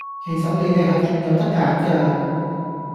其實你哋係仲有得揀㗎